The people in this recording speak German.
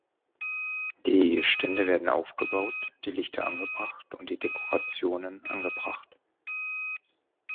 Die Stände werden aufgebaut, die Lichter angebracht und die Dekorationen angebracht.